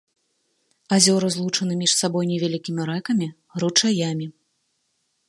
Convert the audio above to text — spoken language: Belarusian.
Азёры злучаны між сабой невялікімі рэкамі, ручаямі.